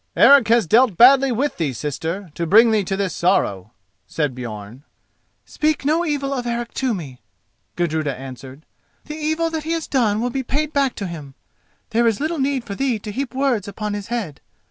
"Eric has dealt badly with thee, sister, to bring thee to this sorrow," said Björn. "Speak no evil of Eric to me," Gudruda answered. "The evil that he has done will be paid back to him; there is little need for thee to heap words upon his head.